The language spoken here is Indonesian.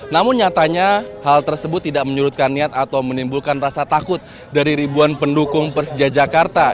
namun nyatanya hal tersebut tidak menyurutkan niat atau menimbulkan rasa takut dari ribuan pendukung persija jakarta